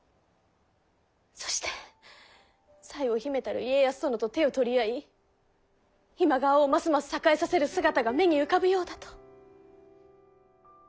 そして才を秘めたる家康殿と手を取り合い今川をますます栄えさせる姿が目に浮かぶようだと。